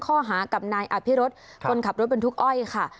ข้อหากับนายอภิรสคนขับรถบรรทุกอ้อยค่ะ